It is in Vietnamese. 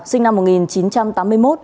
sinh năm một nghìn chín trăm tám mươi một